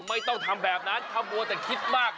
ไม่ต้องทำแบบนั้นทำมัวแต่คิดมาก